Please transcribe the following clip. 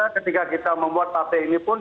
ketika kita membuat partai ini pun